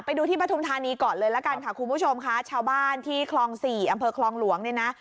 ไปดูที่ปฐุมธานีก่อนเลยละกันค่ะคุณผู้ชมค่ะชาวบ้านที่คลองสี่อำเภอคลองหลวงเนี่ยนะ